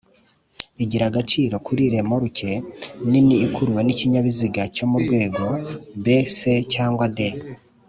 igira agaciro kuri remoruke nini ikuruwe n’ikinyabiziga cyo murwego B,C cgD